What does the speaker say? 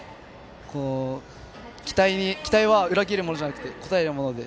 期待は裏切るものじゃなくて応えるもので。